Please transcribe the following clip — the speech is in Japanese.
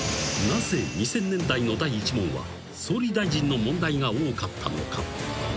［なぜ２０００年代の第１問は総理大臣の問題が多かったのか？］